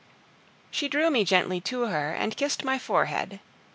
She drew me gently to her and kissed my forehead.